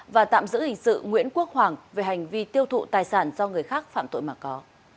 và tạm giữ hình sự nguyễn quốc hoàng về hành vi tiêu thụ tài sản do người khác phạm tội mà có